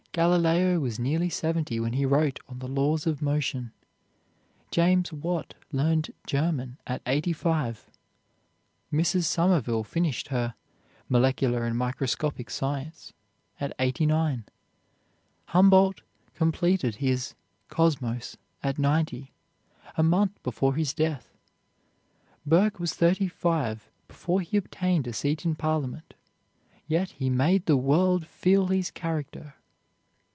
Galileo was nearly seventy when he wrote on the laws of motion. James Watt learned German at eighty five. Mrs. Somerville finished her "Molecular and Microscopic Science" at eighty nine. Humboldt completed his "Cosmos" at ninety, a month before his death. Burke was thirty five before he obtained a seat in Parliament, yet he made the world feel his character.